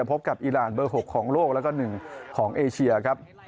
พบกับอีรานเบอร์๖ของโลกแล้วก็๑ของเอเชียครับ